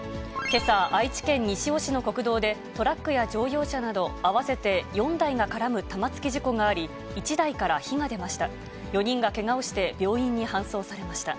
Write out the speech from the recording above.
けさ、愛知県西尾市の国道で、トラックや乗用車など合わせて４台が絡む玉突き事故があり、１台から火が出ました。